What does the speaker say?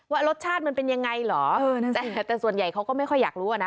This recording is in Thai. ว่ารสชาติมันเป็นยังไงเหรอแต่ส่วนใหญ่เขาก็ไม่ค่อยอยากรู้อ่ะนะ